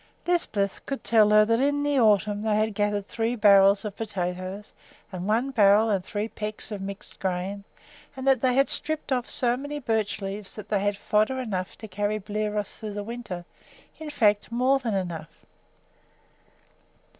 Lisbeth could tell her that in the autumn they had gathered three barrels of potatoes, and one barrel and three pecks of mixed grain; and that they had stripped off so many birch leaves that they had fodder enough to carry Bliros through the winter, in fact, much more than enough.